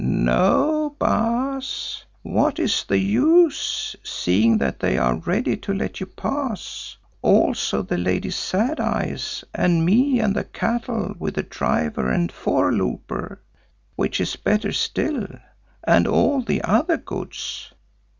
"No, Baas. What is the use, seeing that they are ready to let you pass, also the Lady Sad Eyes, and me and the cattle with the driver and voorlooper, which is better still, and all the other goods.